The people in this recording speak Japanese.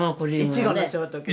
イチゴのショートケーキ。